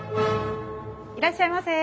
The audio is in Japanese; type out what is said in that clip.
いらっしゃいませ。